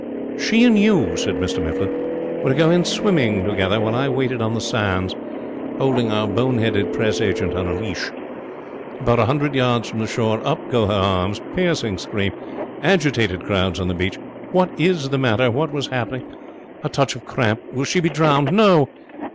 'She and you,' said Mr Mifflin, 'were to go in swimming together, while I waited on the sands, holding our bone headed Press agent on a leash. About a hundred yards from the shore up go her arms. Piercing scream. Agitated crowds on the beach. What is the matter? What has happened? A touch of cramp. Will she be drowned? No!